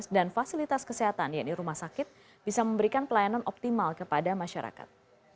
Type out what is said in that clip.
dan fasilitas kesehatan yaitu rumah sakit bisa memberikan pelayanan optimal kepada masyarakat